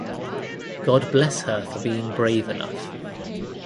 God bless her for being brave enough.